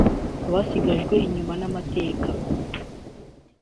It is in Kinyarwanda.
“abasigajwe inyuma n’amateka”